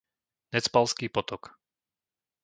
Necpalský potok